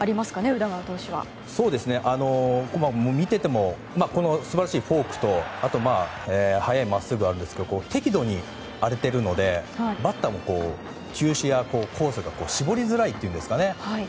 見ていても素晴らしいフォークと速いまっすぐがあるんですけども適度に荒れているのでバッターも球種やコースが絞りづらいというんですかね。